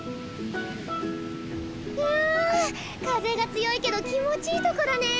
わあ風が強いけど気持ちいいとこだねえ。